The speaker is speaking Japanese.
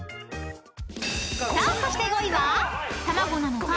［さあそして５位は？］